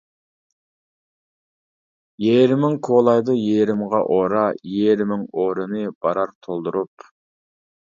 يېرىمىڭ كولايدۇ يېرىمغا ئورا، يېرىمىڭ ئورىنى بارار تولدۇرۇپ.